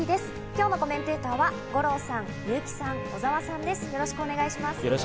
今日のコメンテーターの皆さんです。